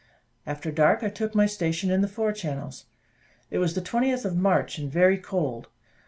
After dark I took my station in the fore channels. It was the 20th of March, and very cold.